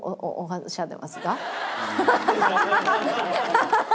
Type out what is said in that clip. ハハハハ！